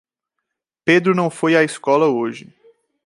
Pedro não foi à escola hoje.